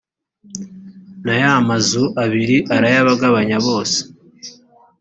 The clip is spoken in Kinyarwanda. na ya mazu abiri arayabagabanya bose